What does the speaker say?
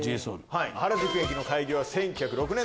原宿駅の開業は１９０６年。